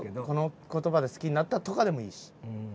この言葉で好きになったとかでもいいし。